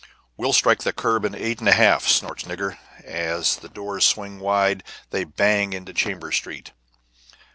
"We'll strike the curb in eight and a half!" snorts Nigger, as the doors swing wide and they bang into Chambers Street.